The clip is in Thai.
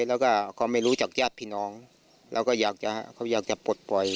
แล้วก็เขาไม่รู้จากญาติพี่น้องแล้วก็เขาอยากจะปลดปล่อย